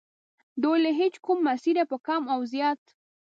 دوی له هیچ کوم مسیره په کم و زیات.